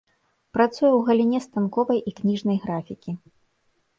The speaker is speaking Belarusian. Працуе ў галіне станковай і кніжнай графікі.